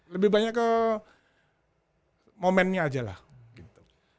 lebih banyak ke momennya aja lah gitu